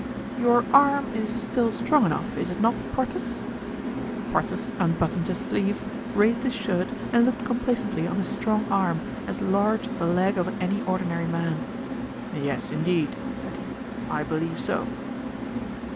"Your arm is still strong enough, is it not, Porthos?" Porthos unbuttoned his sleeve, raised his shirt and looked complacently on his strong arm, as large as the leg of any ordinary man. "Yes, indeed," said he, "I believe so."